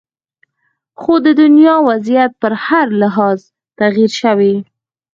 خو د دنیا وضعیت په هر لحاظ تغیر شوې